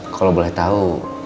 kalo boleh tau